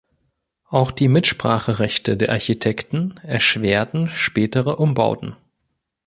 Auch die Mitspracherechte der Architekten erschwerten spätere Umbauten.